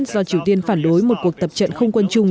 do triều tiên phản đối một cuộc tập trận không quân chung